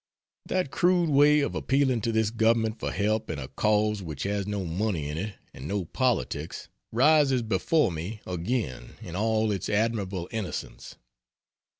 That crude way of appealing to this Government for help in a cause which has no money in it, and no politics, rises before me again in all its admirable innocence!